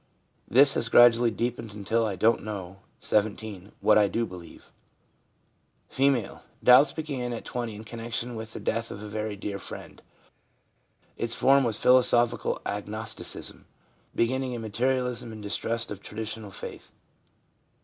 This has gradually deepened until I don't know (17) what I do believe.' F. ' Doubts began at 20 in connection with the death of a very dear friend. Its form was philosophical agnosticism, beginning in materialism and distrust of traditional faith.'